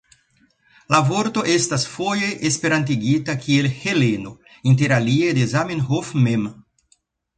La vorto estas foje esperantigita kiel Heleno, interalie de Zamenhof mem.